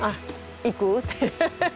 「いく」って。